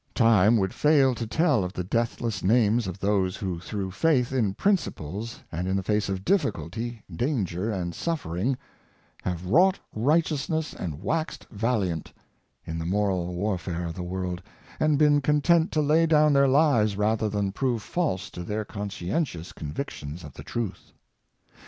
Time would fail to tell of the deathless names of those who through faith in principles, and in the face of difficulty, danger and suffering, " have wrought righteousness and waxed val iant" in the moral warfare of the world, and been con tent to lay down their lives rather than prove false to their conscientious convictions of the truth.